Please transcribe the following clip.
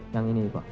yang ini pak